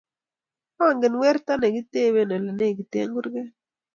angen werto ne katebe ole negite kurget